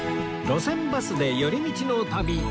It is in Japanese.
『路線バスで寄り道の旅』